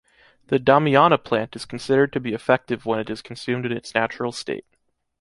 The damiana plant is considered to be effective when it is consumed in its natural state.